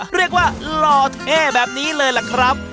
เรียกว่าล่อเท่แบบนี้เลยแหละครับ